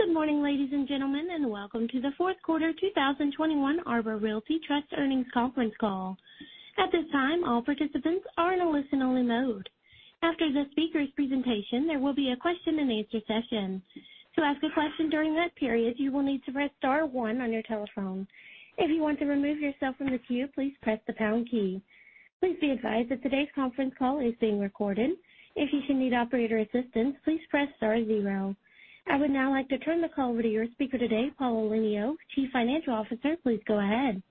Good morning, ladies and gentlemen, and welcome to the Fourth Quarter 2021 Arbor Realty Trust Earnings Conference Call. At this time, all participants are in a listen-only mode. After the speaker's presentation, there will be a question-and-answer session. To ask a question during that period, you will need to press star one on your telephone. If you want to remove yourself from the queue, please press the pound key. Please be advised that today's conference call is being recorded. If you should need operator assistance, please press star zero. I would now like to turn the call over to your speaker today, Paul Elenio, Chief Financial Officer. Please go ahead.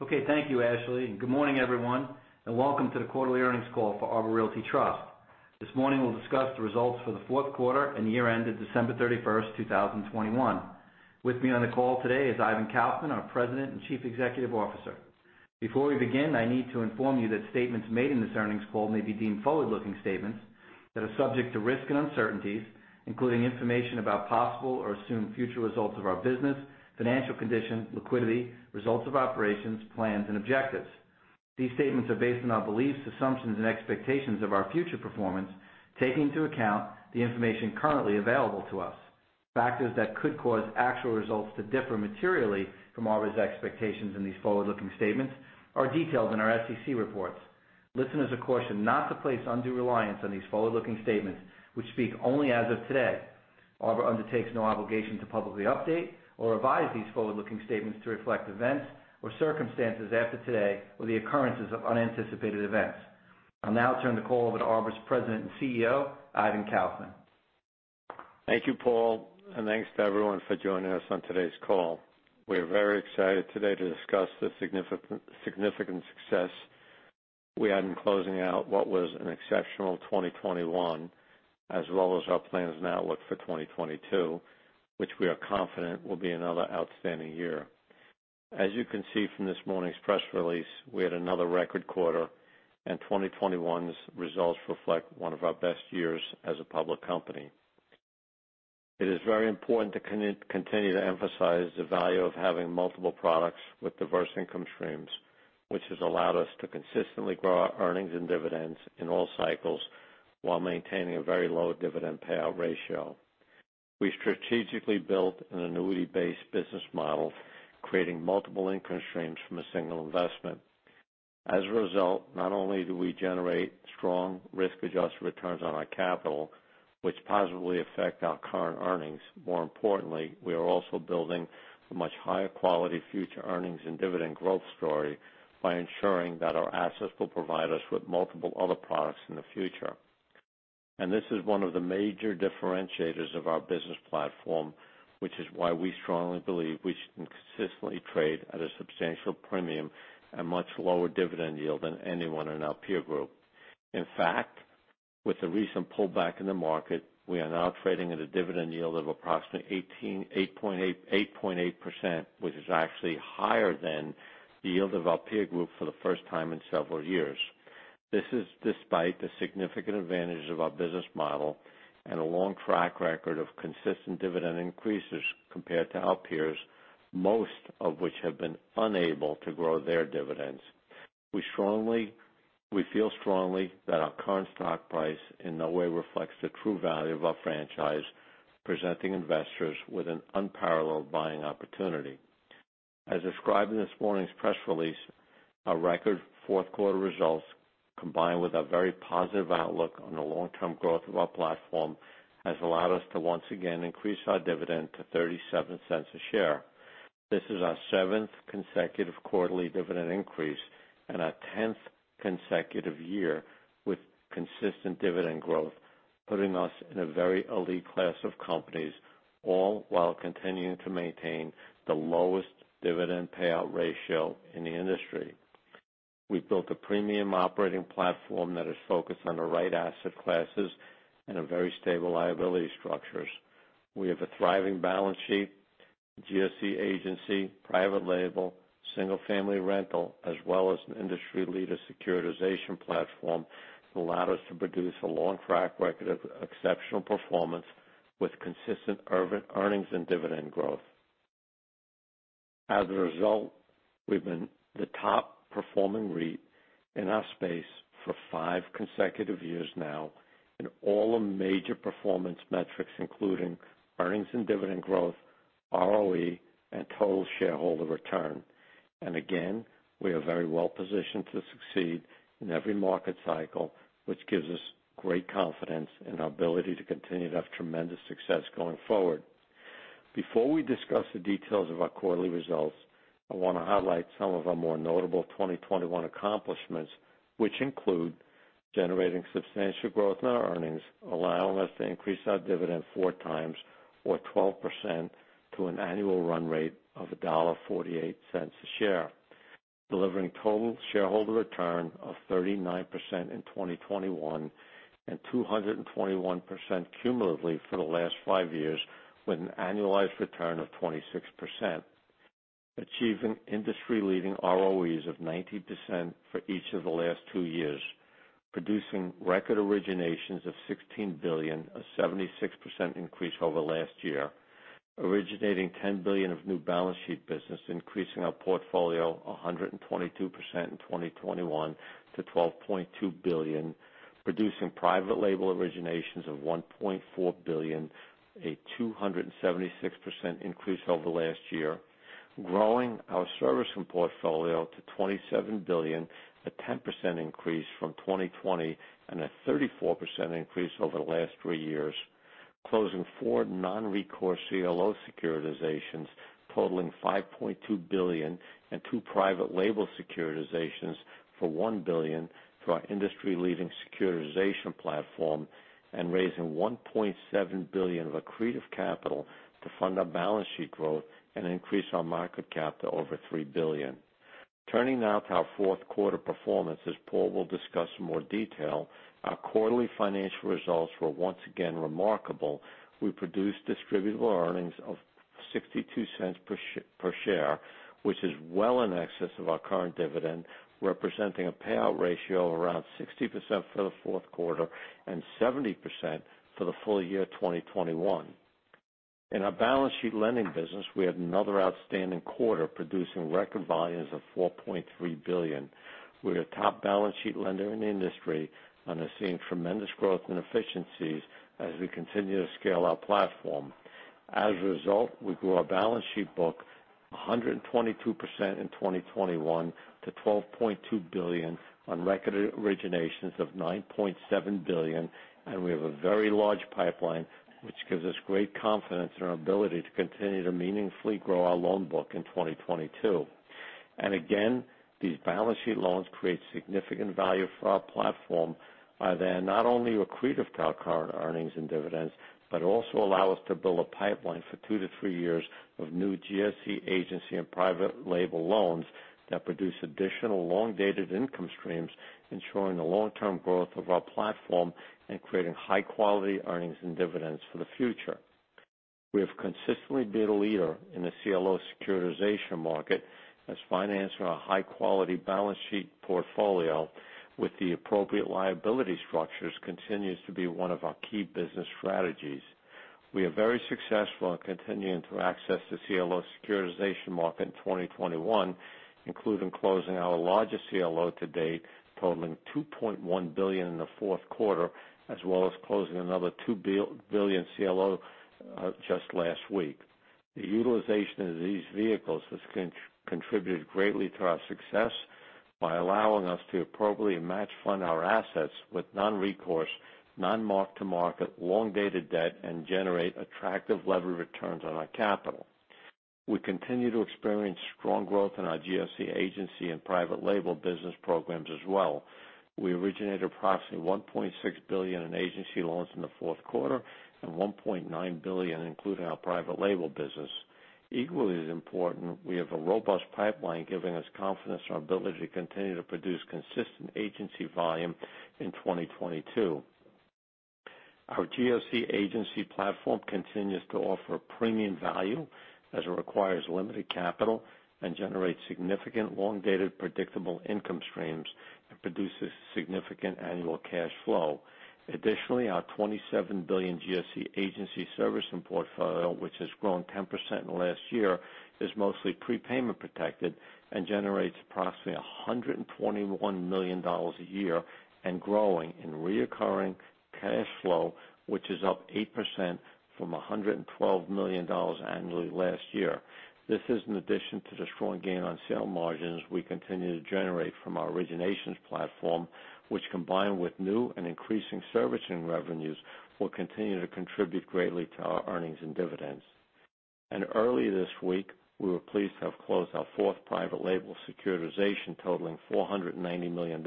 Okay, thank you, Ashley, and good morning, everyone, and welcome to the quarterly earnings call for Arbor Realty Trust. This morning we'll discuss the results for the fourth quarter and year ended December 31st, 2021. With me on the call today is Ivan Kaufman, our President and Chief Executive Officer. Before we begin, I need to inform you that statements made in this earnings call may be deemed forward-looking statements that are subject to risks and uncertainties, including information about possible or assumed future results of our business, financial condition, liquidity, results of operations, plans, and objectives. These statements are based on our beliefs, assumptions, and expectations of our future performance, taking into account the information currently available to us. Factors that could cause actual results to differ materially from Arbor's expectations in these forward-looking statements are detailed in our SEC reports. Listeners are cautioned not to place undue reliance on these forward-looking statements, which speak only as of today. Arbor undertakes no obligation to publicly update or revise these forward-looking statements to reflect events or circumstances after today or the occurrences of unanticipated events. I'll now turn the call over to Arbor's President and CEO, Ivan Kaufman. Thank you, Paul, and thanks to everyone for joining us on today's call. We're very excited today to discuss the significant success we had in closing out what was an exceptional 2021, as well as our plans and outlook for 2022, which we are confident will be another outstanding year. As you can see from this morning's press release, we had another record quarter, and 2021's results reflect one of our best years as a public company. It is very important to continue to emphasize the value of having multiple products with diverse income streams, which has allowed us to consistently grow our earnings and dividends in all cycles while maintaining a very low dividend payout ratio. We strategically built an annuity-based business model, creating multiple income streams from a single investment. As a result, not only do we generate strong risk-adjusted returns on our capital, which positively affect our current earnings, more importantly, we are also building a much higher quality future earnings and dividend growth story by ensuring that our assets will provide us with multiple other products in the future. This is one of the major differentiators of our business platform, which is why we strongly believe we should consistently trade at a substantial premium and much lower dividend yield than anyone in our peer group. In fact, with the recent pullback in the market, we are now trading at a dividend yield of approximately 8.8%, which is actually higher than the yield of our peer group for the first time in several years. This is despite the significant advantages of our business model and a long track record of consistent dividend increases compared to our peers, most of which have been unable to grow their dividends. We feel strongly that our current stock price in no way reflects the true value of our franchise, presenting investors with an unparalleled buying opportunity. As described in this morning's press release, our record fourth quarter results, combined with a very positive outlook on the long-term growth of our platform, has allowed us to once again increase our dividend to $0.37 a share. This is our seventh consecutive quarterly dividend increase and our 10th consecutive year with consistent dividend growth, putting us in a very elite class of companies, all while continuing to maintain the lowest dividend payout ratio in the industry. We've built a premium operating platform that is focused on the right asset classes and a very stable liability structures. We have a thriving balance sheet, GSE agency, private label, single-family rental, as well as an industry leader securitization platform that allowed us to produce a long track record of exceptional performance with consistent earnings and dividend growth. As a result, we've been the top performing REIT in our space for five consecutive years now in all the major performance metrics, including earnings and dividend growth, ROE, and total shareholder return. Again, we are very well positioned to succeed in every market cycle, which gives us great confidence in our ability to continue to have tremendous success going forward. Before we discuss the details of our quarterly results, I wanna highlight some of our more notable 2021 accomplishments, which include generating substantial growth in our earnings, allowing us to increase our dividend 4x or 12% to an annual run rate of $1.48 a share. Delivering total shareholder return of 39% in 2021 and 221% cumulatively for the last five years with an annualized return of 26%. Achieving industry-leading ROEs of 90% for each of the last two years. Producing record originations of $16 billion, a 76% increase over last year. Originating $10 billion of new balance sheet business, increasing our portfolio 122% in 2021 to $12.2 billion. Producing private label originations of $1.4 billion, a 276% increase over last year. Growing our servicing portfolio to $27 billion, a 10% increase from 2020, and a 34% increase over the last three years. Closing four non-recourse CLO securitizations totaling $5.2 billion and two private label securitizations for $1 billion through our industry-leading securitization platform. Raising $1.7 billion of accretive capital to fund our balance sheet growth and increase our market cap to over $3 billion. Turning now to our fourth quarter performance, as Paul will discuss in more detail, our quarterly financial results were once again remarkable. We produced distributable earnings of $0.62 per share, which is well in excess of our current dividend, representing a payout ratio of around 60% for the fourth quarter and 70% for the full year 2021. In our balance sheet lending business, we had another outstanding quarter, producing record volumes of $4.3 billion. We're a top balance sheet lender in the industry and are seeing tremendous growth and efficiencies as we continue to scale our platform. As a result, we grew our balance sheet book 122% in 2021 to $12.2 billion on record originations of $9.7 billion, and we have a very large pipeline, which gives us great confidence in our ability to continue to meaningfully grow our loan book in 2022. Again, these balance sheet loans create significant value for our platform by they're not only accretive to our current earnings and dividends, but also allow us to build a pipeline for two to three years of new GSE agency and private label loans that produce additional long-dated income streams, ensuring the long-term growth of our platform and creating high-quality earnings and dividends for the future. We have consistently been a leader in the CLO securitization market as financing our high-quality balance sheet portfolio with the appropriate liability structures continues to be one of our key business strategies. We are very successful in continuing to access the CLO securitization market in 2021, including closing our largest CLO to date, totaling $2.1 billion in the fourth quarter, as well as closing another $2 billion CLO just last week. The utilization of these vehicles has contributed greatly to our success by allowing us to appropriately match fund our assets with non-recourse, non-mark-to-market, long-dated debt, and generate attractive levered returns on our capital. We continue to experience strong growth in our GSE agency and private label business programs as well. We originated approximately $1.6 billion in agency loans in the fourth quarter and $1.9 billion, including our private label business. Equally as important, we have a robust pipeline giving us confidence in our ability to continue to produce consistent agency volume in 2022. Our GSE agency platform continues to offer premium value as it requires limited capital and generates significant long-dated predictable income streams and produces significant annual cash flow. Additionally, our $27 billion GSE agency servicing portfolio, which has grown 10% in the last year, is mostly prepayment protected and generates approximately $121 million a year and growing in recurring cash flow, which is up 8% from $112 million annually last year. This is in addition to the strong gain on sale margins we continue to generate from our originations platform, which combined with new and increasing servicing revenues, will continue to contribute greatly to our earnings and dividends. Early this week, we were pleased to have closed our 4th private label securitization totaling $490 million,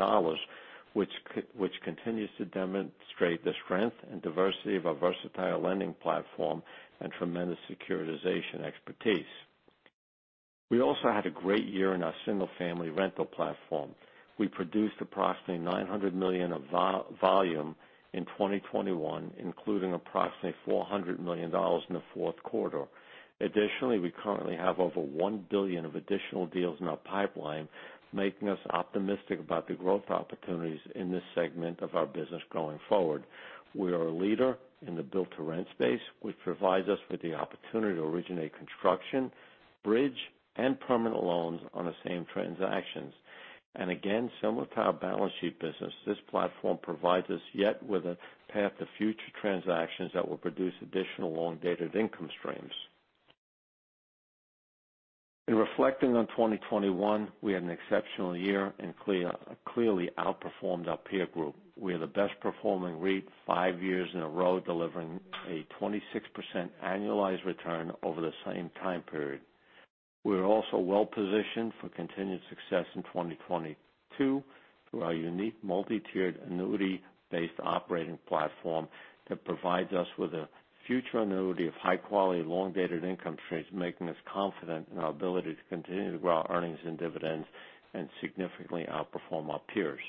which continues to demonstrate the strength and diversity of our versatile lending platform and tremendous securitization expertise. We also had a great year in our single-family rental platform. We produced approximately $900 million of volume in 2021, including approximately $400 million in the fourth quarter. Additionally, we currently have over $1 billion of additional deals in our pipeline, making us optimistic about the growth opportunities in this segment of our business going forward. We are a leader in the build-to-rent space, which provides us with the opportunity to originate construction, bridge, and permanent loans on the same transactions. Again, similar to our balance sheet business, this platform provides us yet with a path to future transactions that will produce additional long-dated income streams. In reflecting on 2021, we had an exceptional year and clearly outperformed our peer group. We are the best performing REIT five years in a row, delivering a 26% annualized return over the same time period. We're also well positioned for continued success in 2022 through our unique multi-tiered annuity-based operating platform that provides us with a future annuity of high quality, long-dated income streams, making us confident in our ability to continue to grow our earnings and dividends and significantly outperform our peers.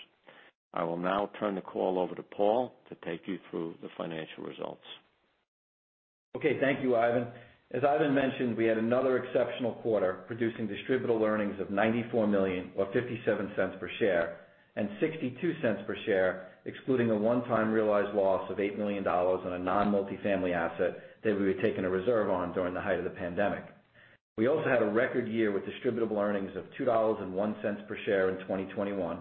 I will now turn the call over to Paul to take you through the financial results. Okay, thank you, Ivan. As Ivan mentioned, we had another exceptional quarter, producing distributable earnings of $94 million or $0.57 per share and $0.62 per share, excluding a one-time realized loss of $8 million on a non-multifamily asset that we had taken a reserve on during the height of the pandemic. We also had a record year with distributable earnings of $2.01 per share in 2021,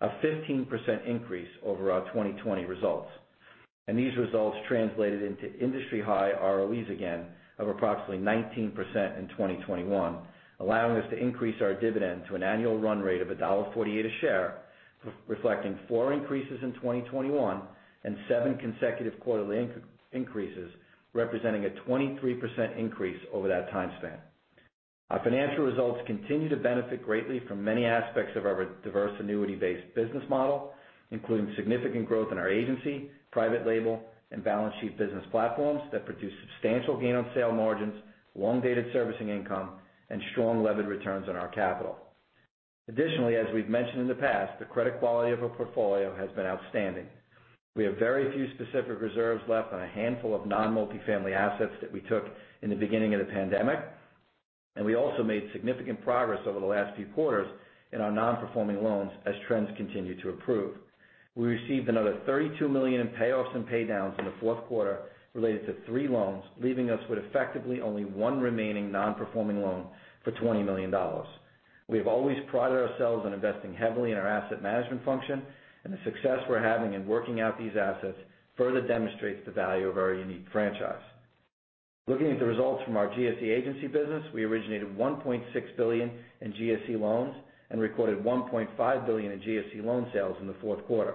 a 15% increase over our 2020 results. These results translated into industry high ROEs again of approximately 19% in 2021, allowing us to increase our dividend to an annual run rate of $1.48 a share, reflecting four increases in 2021 and seven consecutive quarterly increases, representing a 23% increase over that time span. Our financial results continue to benefit greatly from many aspects of our diverse annuity-based business model, including significant growth in our agency, private label, and balance sheet business platforms that produce substantial gain on sale margins, long-dated servicing income, and strong levered returns on our capital. Additionally, as we've mentioned in the past, the credit quality of our portfolio has been outstanding. We have very few specific reserves left on a handful of non-multifamily assets that we took in the beginning of the pandemic, and we also made significant progress over the last few quarters in our non-performing loans as trends continue to improve. We received another $32 million in payoffs and pay downs in the fourth quarter related to three loans, leaving us with effectively only one remaining non-performing loan for $20 million. We have always prided ourselves on investing heavily in our asset management function, and the success we're having in working out these assets further demonstrates the value of our unique franchise. Looking at the results from our GSE agency business, we originated $1.6 billion in GSE loans and recorded $1.5 billion in GSE loan sales in the fourth quarter.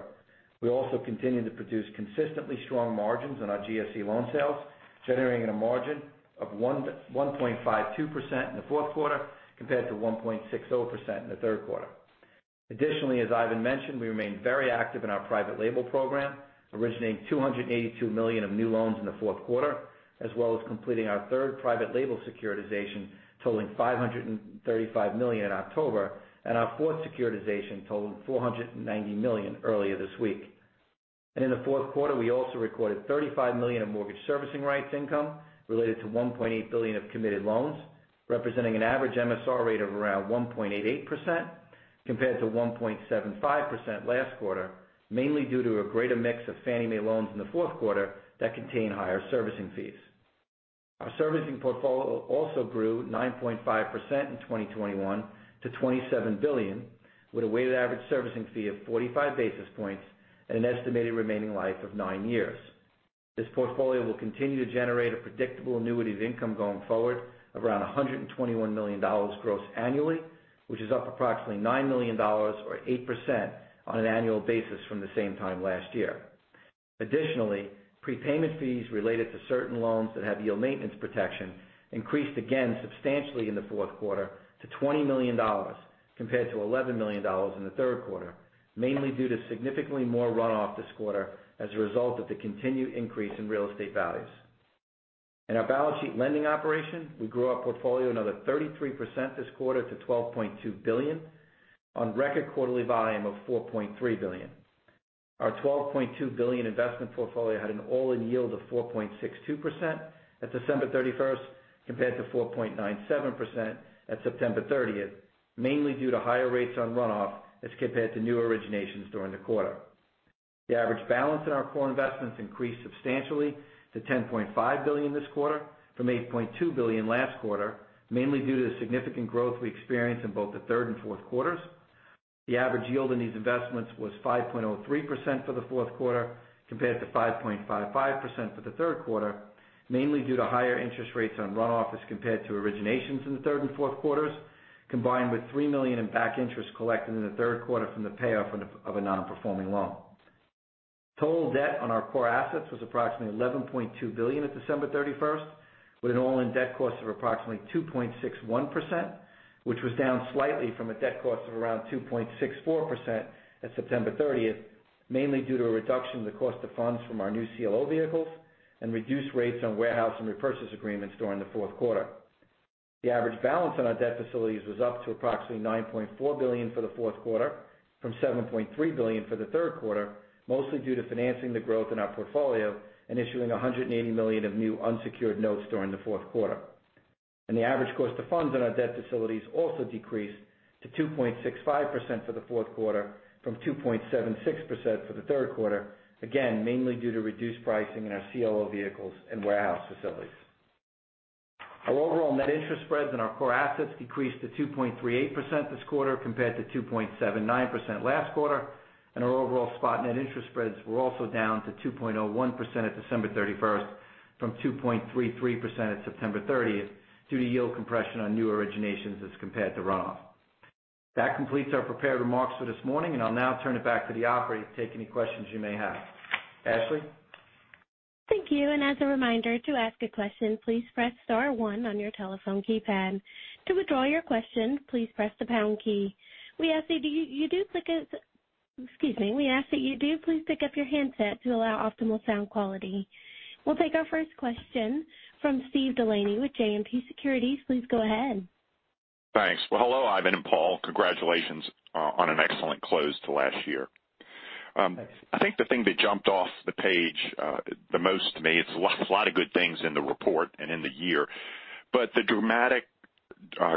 We also continued to produce consistently strong margins on our GSE loan sales, generating a margin of 1.52% in the fourth quarter compared to 1.60% in the third quarter. Additionally, as Ivan mentioned, we remain very active in our private label program, originating $282 million of new loans in the fourth quarter, as well as completing our third private label securitization totaling $535 million in October, and our fourth securitization totaling $490 million earlier this week. In the fourth quarter, we also recorded $35 million in mortgage servicing rights income related to $1.8 billion of committed loans, representing an average MSR rate of around 1.88% compared to 1.75% last quarter, mainly due to a greater mix of Fannie Mae loans in the fourth quarter that contain higher servicing fees. Our servicing portfolio also grew 9.5% in 2021 to $27 billion, with a weighted average servicing fee of 45 basis points at an estimated remaining life of nine years. This portfolio will continue to generate a predictable annuity of income going forward of around $121 million gross annually, which is up approximately $9 million or 8% on an annual basis from the same time last year. Additionally, prepayment fees related to certain loans that have yield maintenance protection increased again substantially in the fourth quarter to $20 million compared to $11 million in the third quarter, mainly due to significantly more runoff this quarter as a result of the continued increase in real estate values. In our balance sheet lending operation, we grew our portfolio another 33% this quarter to $12.2 billion on record quarterly volume of $4.3 billion. Our $12.2 billion investment portfolio had an all-in yield of 4.62% at December 31st, compared to 4.97% at September 30th, mainly due to higher rates on runoff as compared to new originations during the quarter. The average balance in our core investments increased substantially to $10.5 billion this quarter from $8.2 billion last quarter, mainly due to the significant growth we experienced in both the third and fourth quarters. The average yield in these investments was 5.03% for the fourth quarter compared to 5.55% for the third quarter, mainly due to higher interest rates on runoff as compared to originations in the third and fourth quarters, combined with $3 million in back interest collected in the third quarter from the payoff of a non-performing loan. Total debt on our core assets was approximately $11.2 billion at December 31st, with an all-in debt cost of approximately 2.61%, which was down slightly from a debt cost of around 2.64% at September 30th, mainly due to a reduction in the cost of funds from our new CLO vehicles and reduced rates on warehouse and repurchase agreements during the fourth quarter. The average balance on our debt facilities was up to approximately $9.4 billion for the fourth quarter from $7.3 billion for the third quarter, mostly due to financing the growth in our portfolio and issuing $180 million of new unsecured notes during the fourth quarter. The average cost of funds on our debt facilities also decreased to 2.65% for the fourth quarter from 2.76% for the third quarter, again, mainly due to reduced pricing in our CLO vehicles and warehouse facilities. Our overall net interest spreads in our core assets decreased to 2.38% this quarter compared to 2.79% last quarter, and our overall spot net interest spreads were also down to 2.01% at December 31st from 2.33% at September 30th due to yield compression on new originations as compared to runoff. That completes our prepared remarks for this morning, and I'll now turn it back to the operator to take any questions you may have. Ashley? Thank you. As a reminder, to ask a question, please press star one on your telephone keypad. To withdraw your question, please press the pound key. We ask that you do please pick up your handset to allow optimal sound quality. We'll take our first question from Steven DeLaney with JMP Securities. Please go ahead. Thanks. Well, hello, Ivan and Paul. Congratulations on an excellent close to last year. I think the thing that jumped off the page the most to me, it's a lot of good things in the report and in the year, but the dramatic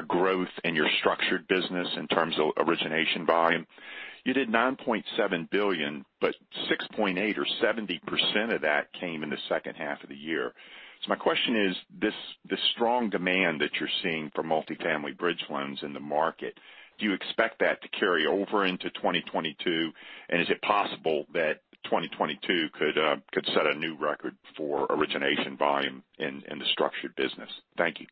growth in your structured business in terms of origination volume. You did $9.7 billion, but $6.8 billion or 70% of that came in the second half of the year. My question is, this strong demand that you're seeing for multifamily bridge loans in the market, do you expect that to carry over into 2022? Is it possible that 2022 could set a new record for origination volume in the structured business? Thank you.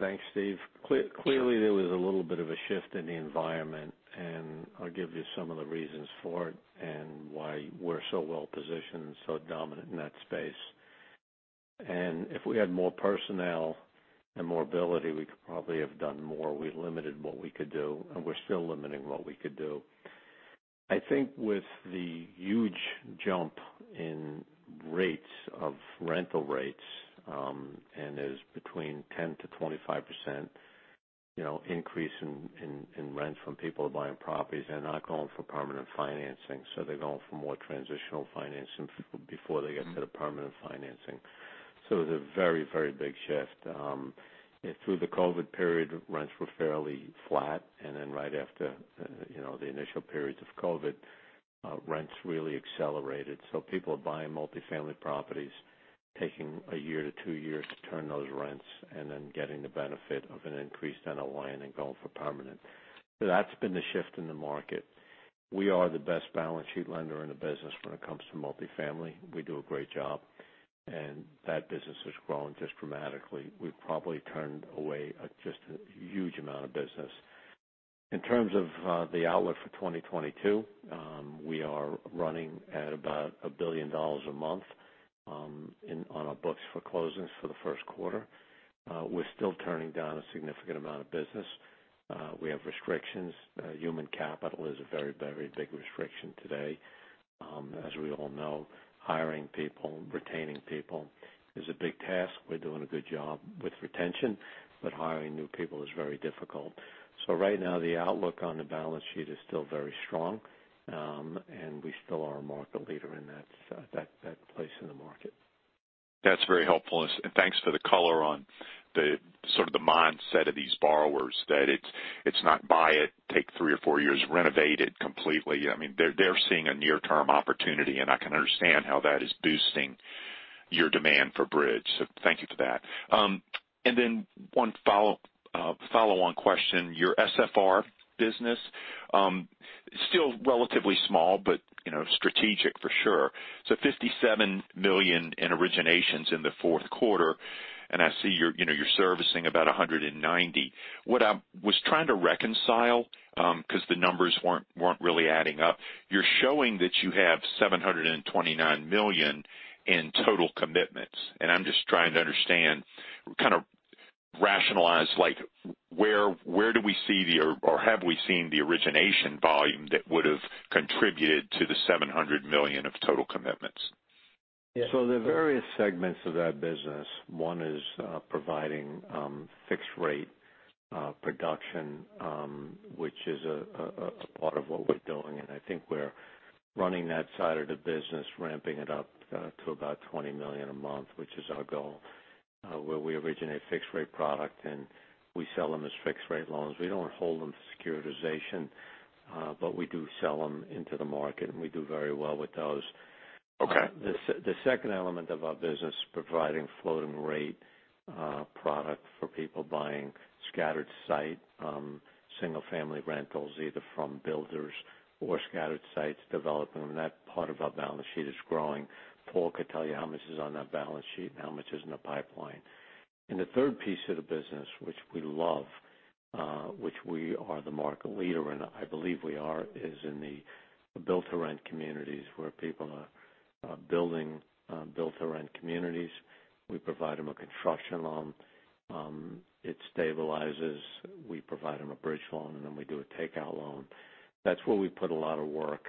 Thanks, Steve. Clearly, there was a little bit of a shift in the environment, and I'll give you some of the reasons for it and why we're so well positioned and so dominant in that space. If we had more personnel and more ability, we could probably have done more. We limited what we could do, and we're still limiting what we could do. I think with the huge jump in rental rates, it's between 10%-25%, you know, increase in rent from people buying properties, they're not going for permanent financing, so they're going for more transitional financing before they get to the permanent financing. It's a very, very big shift. Through the COVID period, rents were fairly flat, and then right after the initial periods of COVID, rents really accelerated. People are buying multifamily properties, taking a year to two years to turn those rents and then getting the benefit of an increased NOI and then going for permanent. That's been the shift in the market. We are the best balance sheet lender in the business when it comes to multifamily. We do a great job, and that business has grown just dramatically. We've probably turned away just a huge amount of business. In terms of the outlook for 2022, we are running at about $1 billion a month on our books for closings for the first quarter. We're still turning down a significant amount of business. We have restrictions. Human capital is a very, very big restriction today. As we all know, hiring people, retaining people is a big task. We're doing a good job with retention, but hiring new people is very difficult. Right now, the outlook on the balance sheet is still very strong, and we still are a market leader in that place in the market. That's very helpful. Thanks for the color on the sort of mindset of these borrowers that it's not buy it, take three or four years, renovate it completely. I mean, they're seeing a near-term opportunity, and I can understand how that is boosting your demand for bridge. Thank you for that. Then one follow-on question. Your SFR business still relatively small, but you know, strategic for sure. $57 million in originations in the fourth quarter, and I see you're you know servicing about $190 million. What I was trying to reconcile, 'cause the numbers weren't really adding up. You're showing that you have $729 million in total commitments, and I'm just trying to understand, kind of rationalize like, where, or have we seen the origination volume that would've contributed to the $700 million of total commitments? There are various segments of that business. One is providing fixed rate production, which is a part of what we're doing, and I think we're running that side of the business, ramping it up to about $20 million a month, which is our goal, where we originate fixed rate product and we sell them as fixed rate loans. We don't hold them to securitization, but we do sell them into the market and we do very well with those. Okay. The second element of our business is providing floating rate product for people buying scattered site single-family rentals, either from builders or scattered sites developing, and that part of our balance sheet is growing. Paul could tell you how much is on that balance sheet and how much is in the pipeline. The third piece of the business, which we love, which we are the market leader in, I believe we are, is in the build-to-rent communities where people are building build-to-rent communities. We provide them a construction loan, it stabilizes. We provide them a bridge loan, and then we do a takeout loan. That's where we put a lot of work,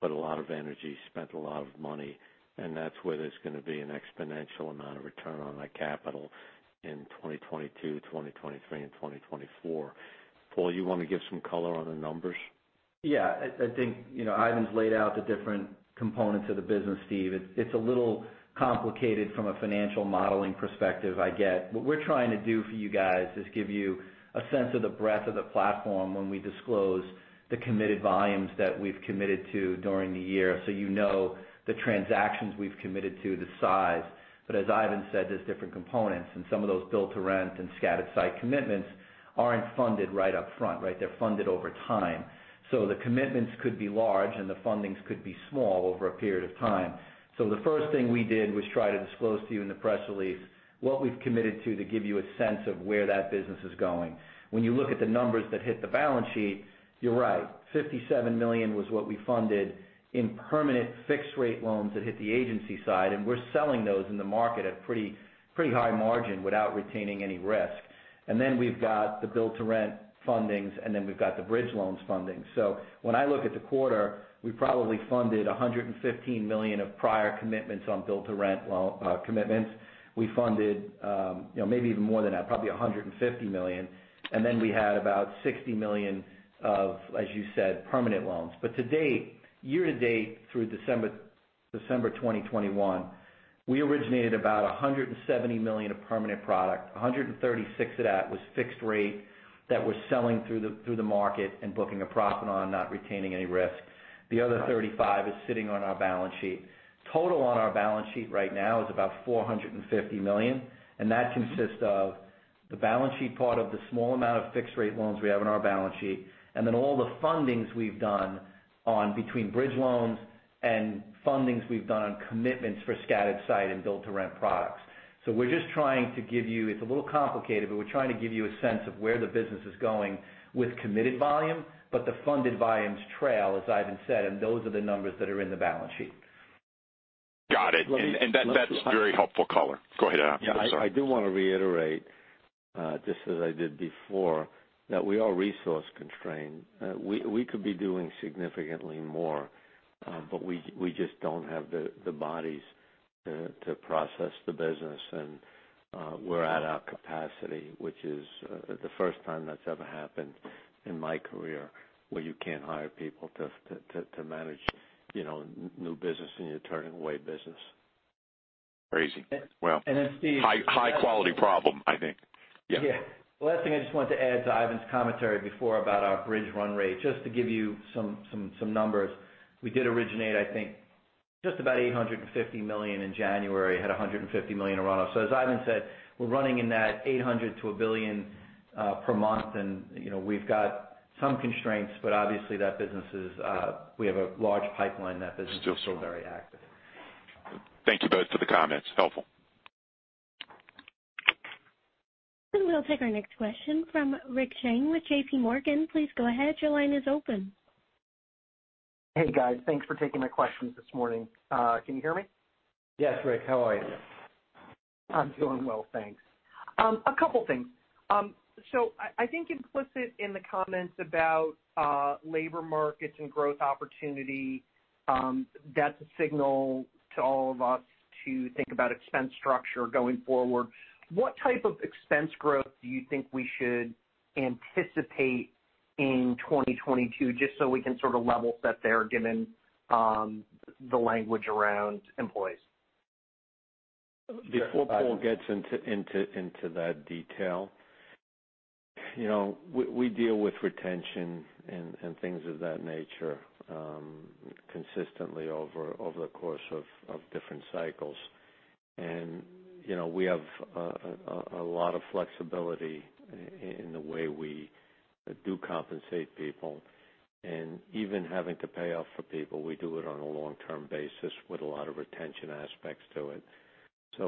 put a lot of energy, spent a lot of money, and that's where there's gonna be an exponential amount of return on that capital in 2022, 2023 and 2024. Paul, you wanna give some color on the numbers? Yeah. I think, you know, Ivan's laid out the different components of the business, Steve. It's a little complicated from a financial modeling perspective, I get. What we're trying to do for you guys is give you a sense of the breadth of the platform when we disclose the committed volumes that we've committed to during the year. You know the transactions we've committed to, the size. As Ivan said, there's different components, and some of those build-to-rent and scattered site commitments aren't funded right up front, right? They're funded over time. The commitments could be large and the funding could be small over a period of time. The first thing we did was try to disclose to you in the press release what we've committed to give you a sense of where that business is going. When you look at the numbers that hit the balance sheet, you're right. $57 million was what we funded in permanent fixed rate loans that hit the agency side, and we're selling those in the market at pretty high margin without retaining any risk. We've got the build-to-rent funding, and then we've got the bridge loans funding. When I look at the quarter, we probably funded $115 million of prior commitments on build-to-rent loan commitments. We funded, you know, maybe even more than that, probably $150 million. We had about $60 million of, as you said, permanent loans. To date, year to date through December 2021, we originated about $170 million of permanent product. 136 of that was fixed rate that we're selling through the market and booking a profit on, not retaining any risk. The other 35 is sitting on our balance sheet. Total on our balance sheet right now is about $450 million, and that consists of the balance sheet part of the small amount of fixed rate loans we have on our balance sheet, and then all the funding we've done on bridge loans and funding we've done on commitments for scattered site and build-to-rent products. It's a little complicated, but we're trying to give you a sense of where the business is going with committed volume, but the funded volumes trail, as Ivan said, and those are the numbers that are in the balance sheet. Got it. That's very helpful color. Go ahead, Ivan. Sorry. Yeah. I do wanna reiterate, just as I did before, that we are resource constrained. We could be doing significantly more, but we just don't have the bodies to process the business and we're at our capacity, which is the first time that's ever happened in my career, where you can't hire people to manage, you know, new business and you're turning away business. Crazy. Steven DeLaney High, high quality problem, I think. Yeah. Yeah. Last thing I just wanted to add to Ivan's commentary before about our bridge run rate. Just to give you some numbers. We did originate, I think, just about $850 million in January, had $150 million in run off. As Ivan said, we're running in that $800 million-$1 billion per month and, you know, we've got some constraints, but obviously that business is, we have a large pipeline. That business is still very active. Thank you both for the comments. Helpful. We'll take our next question from Rick Shane with JPMorgan. Please go ahead. Your line is open. Hey, guys. Thanks for taking my questions this morning. Can you hear me? Yes, Rick. How are you? I'm doing well, thanks. A couple things. I think implicit in the comments about labor markets and growth opportunity, that's a signal to all of us to think about expense structure going forward. What type of expense growth do you think we should anticipate in 2022, just so we can sort of level set there given the language around employees? Before Paul gets into that detail. You know, we deal with retention and things of that nature consistently over the course of different cycles. You know, we have a lot of flexibility in the way we do compensate people. Even having to pay off for people, we do it on a long-term basis with a lot of retention aspects to it.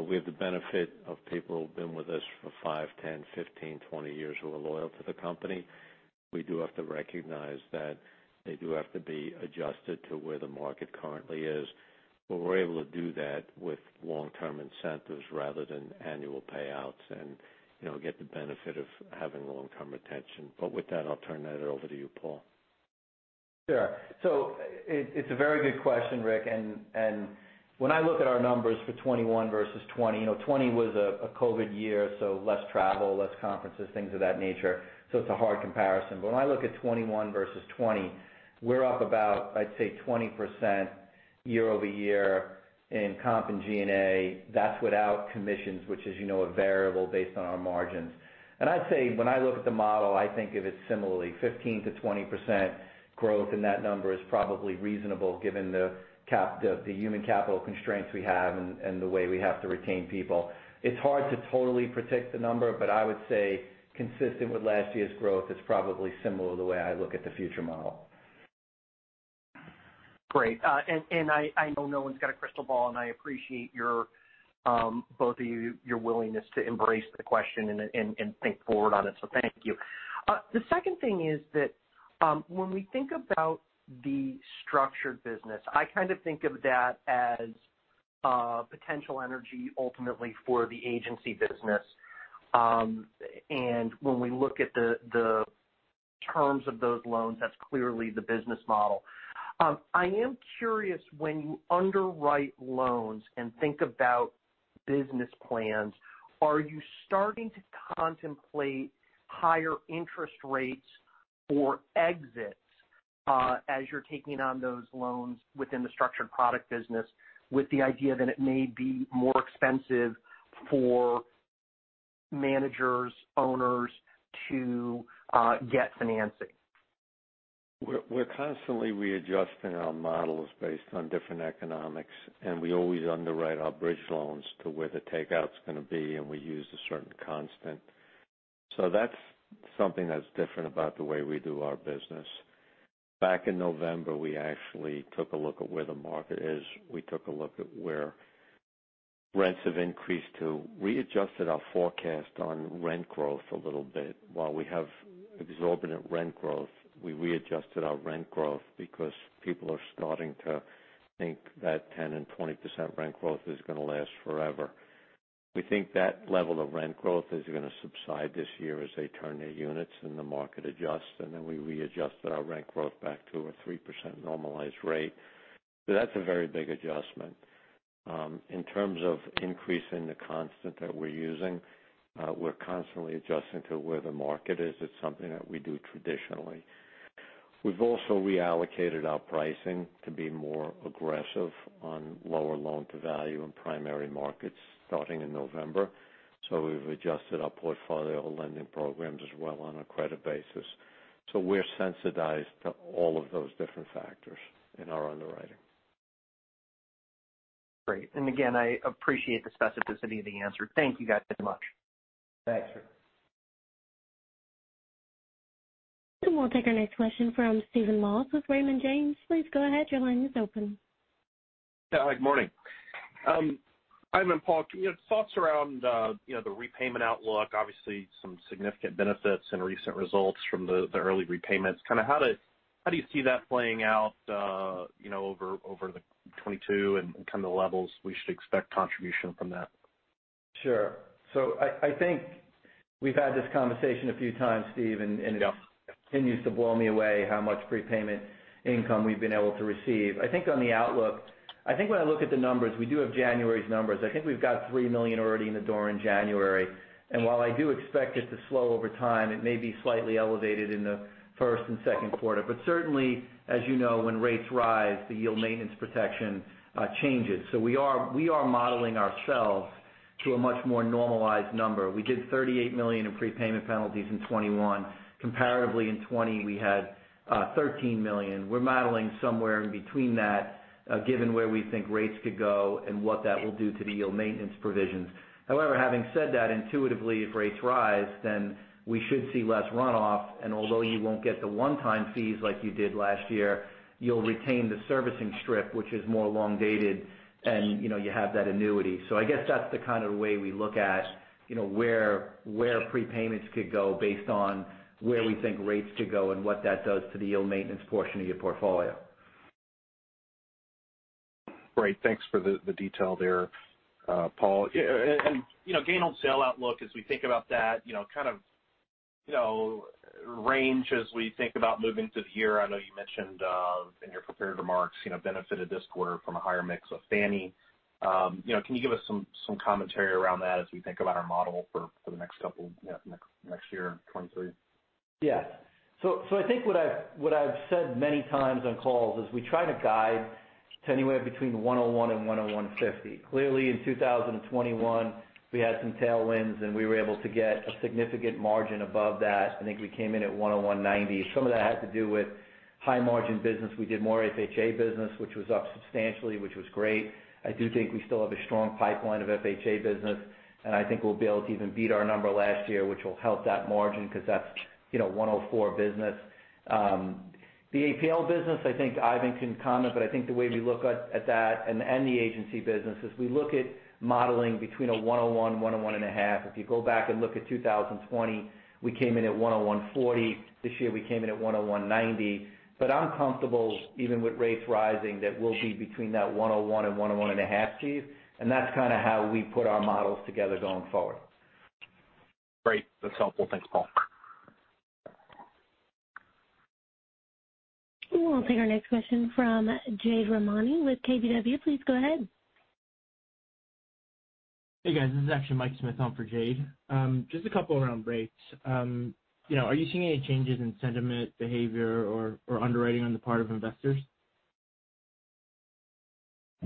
We have the benefit of people who've been with us for five, 10, 15, 20 years who are loyal to the company. We do have to recognize that they do have to be adjusted to where the market currently is, but we're able to do that with long-term incentives rather than annual payouts and, you know, get the benefit of having long-term retention. With that, I'll turn that over to you, Paul. Sure. It's a very good question, Rick, and when I look at our numbers for 2021 versus 2020, you know, 2020 was a COVID year, so less travel, less conferences, things of that nature, so it's a hard comparison. When I look at 2021 versus 2020, we're up about, I'd say, 20% year-over-year in comp and G&A. That's without commissions, which is, you know, a variable based on our margins. I'd say when I look at the model, I think of it similarly, 15%-20% growth in that number is probably reasonable given the human capital constraints we have and the way we have to retain people. It's hard to totally predict the number, but I would say consistent with last year's growth, it's probably similar the way I look at the future model. Great. I know no one's got a crystal ball, and I appreciate your, both of you, your willingness to embrace the question and think forward on it, so thank you. The second thing is that, when we think about the structured business, I kind of think of that as, potential energy ultimately for the agency business. When we look at the terms of those loans, that's clearly the business model. I am curious when you underwrite loans and think about business plans, are you starting to contemplate higher interest rates or exits, as you're taking on those loans within the structured product business with the idea that it may be more expensive for managers, owners to, get financing? We're constantly readjusting our models based on different economics, and we always underwrite our bridge loans to where the takeout's gonna be, and we use a certain constant. That's something that's different about the way we do our business. Back in November, we actually took a look at where the market is. We took a look at where rents have increased to and readjusted our forecast on rent growth a little bit. While we have exorbitant rent growth, we readjusted our rent growth because people are starting to think that 10% and 20% rent growth is gonna last forever. We think that level of rent growth is gonna subside this year as they turn their units and the market adjusts, and then we readjusted our rent growth back to a 3% normalized rate. That's a very big adjustment. In terms of increasing the constant that we're using, we're constantly adjusting to where the market is. It's something that we do traditionally. We've also reallocated our pricing to be more aggressive on lower loan-to-value in primary markets starting in November. We've adjusted our portfolio of lending programs as well on a credit basis. We're sensitized to all of those different factors in our underwriting. Great. Again, I appreciate the specificity of the answer. Thank you guys so much. Thanks. We'll take our next question from Stephen Laws with Raymond James. Please go ahead. Your line is open. Yeah, good morning. Ivan, Paul, can you give thoughts around, you know, the repayment outlook? Obviously, some significant benefits and recent results from the early repayments. How do you see that playing out, you know, over 2022 and kind of the levels we should expect contribution from that? Sure. I think we've had this conversation a few times, Steven DeLaney. Yep. It continues to blow me away how much prepayment income we've been able to receive. I think on the outlook, I think when I look at the numbers, we do have January's numbers. I think we've got $3 million already in the door in January. While I do expect it to slow over time, it may be slightly elevated in the first and second quarter. Certainly, as you know, when rates rise, the yield maintenance protection changes. We are modeling ourselves to a much more normalized number. We did $38 million in prepayment penalties in 2021. Comparably in 2020, we had $13 million. We're modeling somewhere in between that, given where we think rates could go and what that will do to the yield maintenance provisions. However, having said that, intuitively, if rates rise, then we should see less runoff. Although you won't get the one-time fees like you did last year, you'll retain the servicing strip, which is more long-dated and, you know, you have that annuity. I guess that's the kind of way we look at, you know, where prepayments could go based on where we think rates could go and what that does to the yield maintenance portion of your portfolio. Great. Thanks for the detail there, Paul. Yeah, and you know, gain on sale outlook as we think about that, you know, range as we think about moving through the year. I know you mentioned in your prepared remarks, you know, benefited this quarter from a higher mix of Fannie. You know, can you give us some commentary around that as we think about our model for the next couple, you know, next year in 2023? Yes. I think what I've said many times on calls is we try to guide to anywhere between 101 and 101.50. Clearly, in 2021, we had some tailwinds, and we were able to get a significant margin above that. I think we came in at 101.90. Some of that had to do with high margin business. We did more FHA business, which was up substantially, which was great. I do think we still have a strong pipeline of FHA business, and I think we'll be able to even beat our number last year, which will help that margin because that's, you know, 104 business. The APL business, I think Ivan can comment, but I think the way we look at that and the agency business is we look at modeling between 101 and 101.5. If you go back and look at 2020, we came in at 101.40. This year we came in at 101.90. I'm comfortable, even with rates rising, that we'll be between 101 and 101.5, Steve, and that's kinda how we put our models together going forward. Great. That's helpful. Thanks, Paul. We'll take our next question from Jade Rahmani with KBW. Please go ahead. Hey, guys. This is actually Mike Smith on for Jade. Just a couple around rates. You know, are you seeing any changes in sentiment, behavior, or underwriting on the part of investors?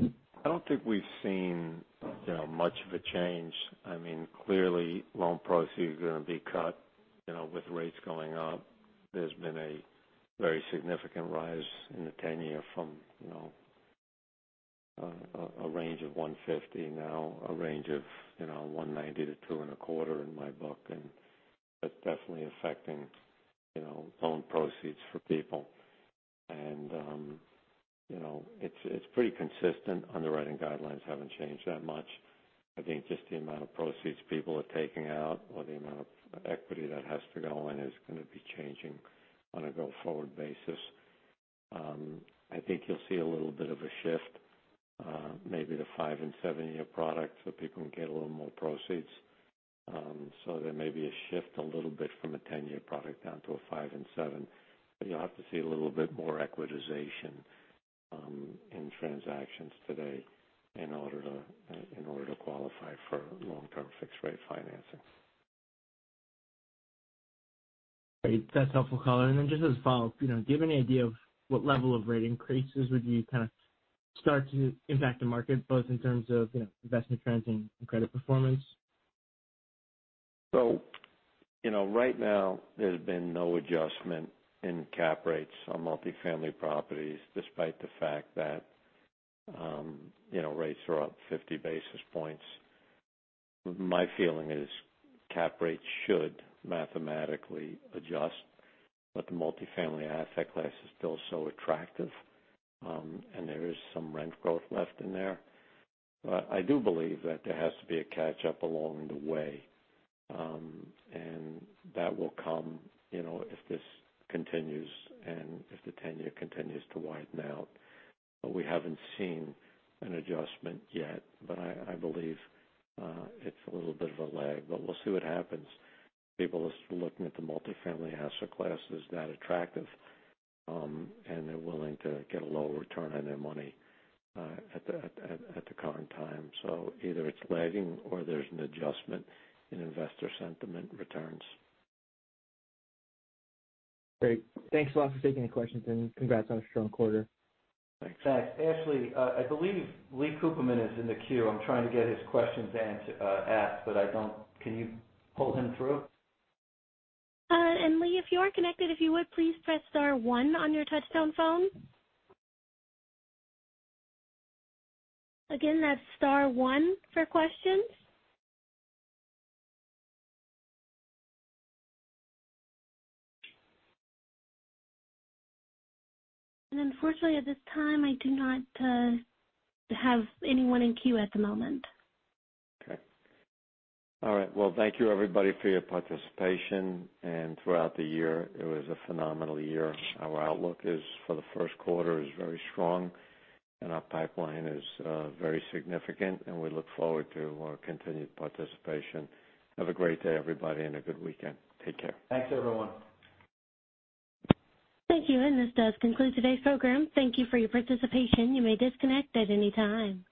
I don't think we've seen, you know, much of a change. I mean, clearly loan proceeds are gonna be cut, you know, with rates going up. There's been a very significant rise in the 10-year from, you know, a range of 1.50%, now a range of, you know, 1.90%-2.25% in my book, and that's definitely affecting, you know, loan proceeds for people. You know, it's pretty consistent. Underwriting guidelines haven't changed that much. I think just the amount of proceeds people are taking out or the amount of equity that has to go in is gonna be changing on a go-forward basis. I think you'll see a little bit of a shift, maybe to five and seven-year products so people can get a little more proceeds. There may be a shift a little bit from a 10-year product down to a five and seven, but you'll have to see a little bit more securitization in transactions today in order to qualify for long-term fixed-rate financing. Great. That's helpful, Colin. Just as a follow-up, you know, do you have any idea of what level of rate increases would you kinda start to impact the market both in terms of, you know, investment trends and credit performance? You know, right now there's been no adjustment in cap rates on multifamily properties despite the fact that, you know, rates are up 50 basis points. My feeling is cap rates should mathematically adjust, but the multifamily asset class is still so attractive, and there is some rent growth left in there. I do believe that there has to be a catch-up along the way, and that will come, you know, if this continues and if the 10-year continues to widen out. We haven't seen an adjustment yet, but I believe it's a little bit of a lag, but we'll see what happens. People are looking at the multifamily asset class as that attractive, and they're willing to get a lower return on their money, at the current time. Either it's lagging or there's an adjustment in investor sentiment returns. Great. Thanks a lot for taking the questions and congrats on a strong quarter. Thanks. Thanks. Ashley, I believe Lee Cooperman is in the queue. I'm trying to get his questions asked, but I don't. Can you pull him through? Lee, if you are connected, if you would please press star one on your touchtone phone. Again, that's star one for questions. Unfortunately, at this time, I do not have anyone in queue at the moment. Okay. All right. Well, thank you everybody for your participation. Throughout the year, it was a phenomenal year. Our outlook for the first quarter is very strong and our pipeline is very significant, and we look forward to our continued participation. Have a great day, everybody, and a good weekend. Take care. Thanks, everyone. Thank you, and this does conclude today's program. Thank you for your participation. You may disconnect at any time.